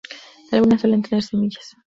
Algunas suelen tener semillas.